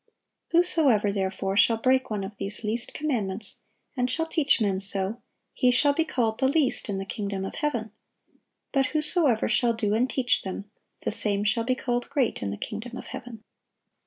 Whosoever therefore shall break one of these least commandments, and shall teach men so, he shall be called the least in the kingdom of heaven: but whosoever shall do and teach them, the same shall be called great in the kingdom of heaven."